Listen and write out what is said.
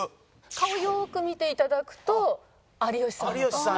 顔よく見て頂くと有吉さんの顔。